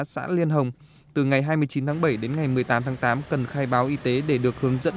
xã liên hồng từ ngày hai mươi chín tháng bảy đến ngày một mươi tám tháng tám cần khai báo y tế để được hướng dẫn